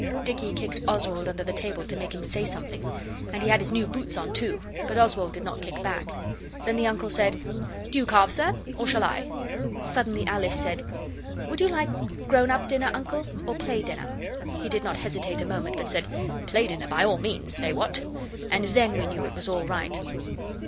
Dicky kicked Oswald under the table to make him say something and he had his new boots on, too! but Oswald did not kick back; then the Uncle asked 'Do you carve, sir, or shall I?' Suddenly Alice said 'Would you like grown up dinner, Uncle, or play dinner?' He did not hesitate a moment, but said, 'Play dinner, by all means. Eh! what?' and then we knew it was all right.